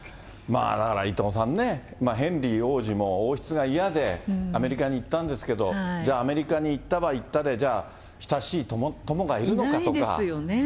だから伊藤さんね、ヘンリー王子も王室が嫌でアメリカに行ったんですけど、じゃあ、アメリカに行ったら行ったで、じゃあ、いないですよね。